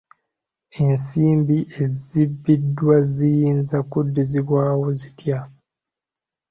Ensimbi ezibbiddwa ziyinza kuddizibwawo zitya?